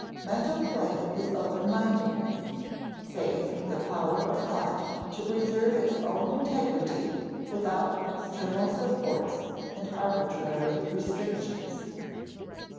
Mental play is open mindedness, faith in the power of thought to preserve its own integrity without external supports and arbitrary restrictions.